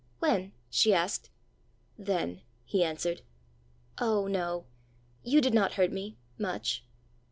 "When?" she asked. "Then," he answered. "Oh, no; you did not hurt me much!"